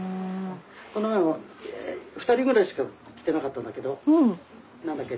この前も２人ぐらいしか来てなかったんだけど何だっけ